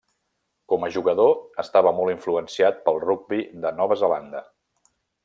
Com a jugador, estava molt influenciat pel rugbi de Nova Zelanda.